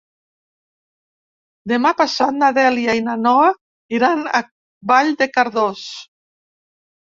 Demà passat na Dèlia i na Noa iran a Vall de Cardós.